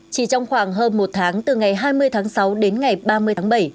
chỉ trong khoảng hơn một tháng từ ngày hai mươi tháng sáu đến ngày ba mươi tháng bảy